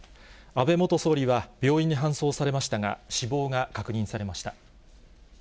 安倍元総理は病院に搬送されましたが、死亡が確認されました。